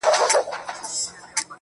گوره رسوا بـــه سـو وړې خلگ خـبـري كـوي.